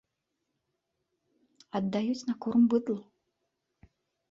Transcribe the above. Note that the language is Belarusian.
Аддаюць на корм быдлу.